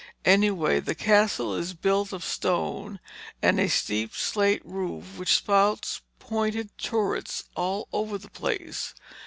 Anyway, the Castle is built of stone with a steep, slate roof, which spouts pointed turrets all over the place.